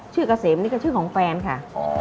ชื่อกาเซมนี่ก็พี่แฟนค่ะ